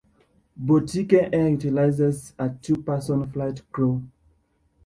Boutique Air utilizes a two-person flight crew.